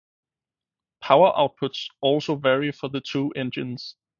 Power outputs also vary for the two engines.